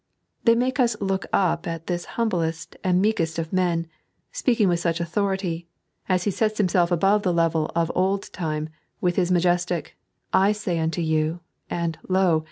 They make us look up at this humblest and meekest of men, speaking with such authority, as He seta Himself above the level of those of old time, with His majestic "I say unto you"; and lo!